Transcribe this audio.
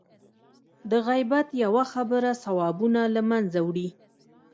د غیبت یوه خبره ثوابونه له منځه وړي.